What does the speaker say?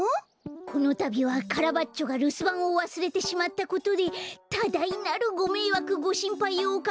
このたびはカラバッチョがるすばんをわすれてしまったことでただいなるごめいわくごしんぱいをおかけし。